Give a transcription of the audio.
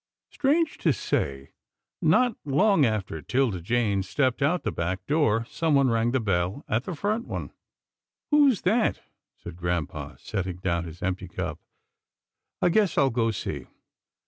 Strange to say, not long after 'Tilda Jane stepped out the back door, someone rang the bell at the front one. " Who's that ?" said grampa, setting down his empty cup. " I guess I'll go see.